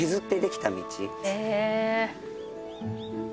へえ！